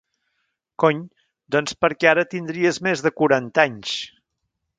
Cony, doncs perquè ara tindries més de quaranta anys!